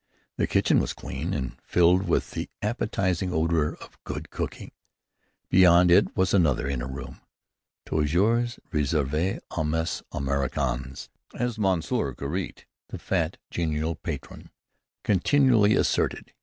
The kitchen was clean, and filled with the appetizing odor of good cooking. Beyond it was another, inner room, "toujours réservée à mes Américains," as M. Ciret, the fat, genial patron continually asserted.